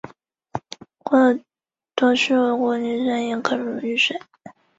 伊达政宗的外祖父。